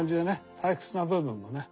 退屈な部分もね。